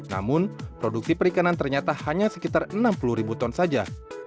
namun produksi perikanan ternyata hanya sekitar enam puluh ribu ton saja